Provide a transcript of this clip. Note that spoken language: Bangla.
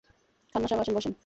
খান্না সাব আসেন, বসেন।